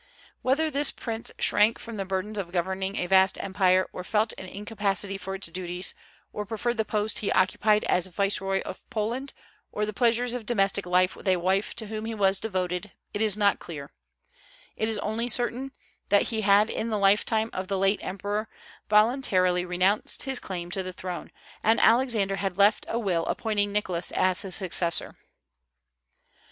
Whether this prince shrank from the burdens of governing a vast empire, or felt an incapacity for its duties, or preferred the post he occupied as Viceroy of Poland or the pleasures of domestic life with a wife to whom he was devoted, it is not clear; it is only certain that he had in the lifetime of the late emperor voluntarily renounced his claim to the throne, and Alexander had left a will appointing Nicholas as his successor.